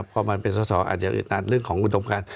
เพราะมันเป็นสตอาจจะอึดนานเรื่องของอุดมการ